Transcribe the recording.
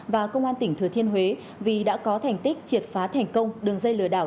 và công an tỉnh thừa thiên huế vì đã có thành tích triệt phá thành công đường dây lừa đảo